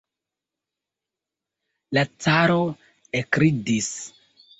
La caro ekridis.